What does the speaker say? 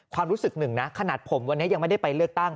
ความรู้สึกหนึ่งนะขนาดผมวันนี้ยังไม่ได้ไปเลือกตั้ง